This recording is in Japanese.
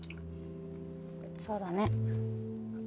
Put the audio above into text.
そうだね。